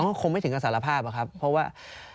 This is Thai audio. เอาคงไม่ถึงการสารภาพครับเพราะว่า